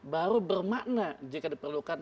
baru bermakna jika diperlukan